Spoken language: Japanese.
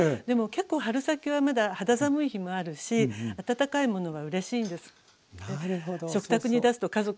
でも結構春先はまだ肌寒い日もあるし温かいものはうれしいんです。